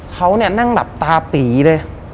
เขานั่งแบบตาปีด้วย